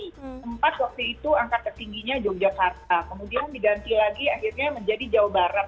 sempat waktu itu angka tertingginya yogyakarta kemudian diganti lagi akhirnya menjadi jawa barat